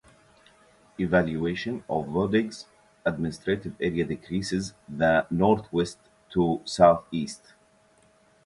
Elevations in Baoding's administrative area decrease from northwest to southeast.